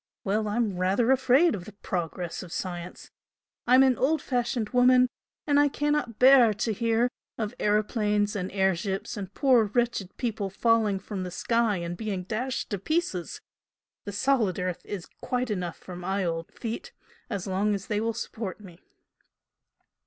Well, I'm rather afraid of the 'progress of science.' I'm an old fashioned woman and I cannot bear to hear of aeroplanes and air ships and poor wretched people falling from the sky and being dashed to pieces. The solid earth is quite good enough for my old feet as long as they will support me!"